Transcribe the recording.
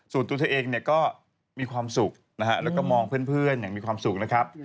ส่วนตัวเธอเองเนี่ยก็มีความสุขนะฮะแล้วก็มองเพื่อนอย่างมีความสุขนะครับ